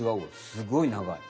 すごい長い。